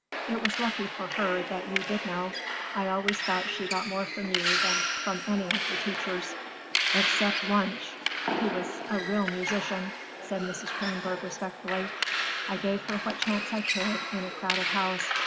"It was lucky for her that you did know. I always thought she got more from you than from any of her teachers." "Except Wunsch; he was a real musician," said Mrs. Kronborg respectfully. "I gave her what chance I could, in a crowded house.